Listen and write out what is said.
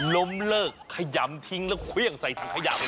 ล้มเลิกขยำทิ้งแล้วเครื่องใส่ถังขยะ